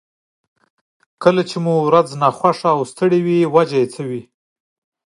کله مو چې ورځ ناخوښه او ستړې وي لامل يې څه وي؟